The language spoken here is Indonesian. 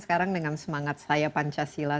sekarang dengan semangat saya pancasila